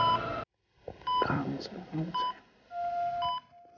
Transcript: kita langsung ke rumah sakit